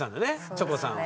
チョコさんは。